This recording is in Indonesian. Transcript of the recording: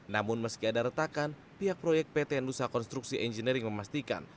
namun meski ada retakan pihak proyek pt nusa konstruksi engineering memastikan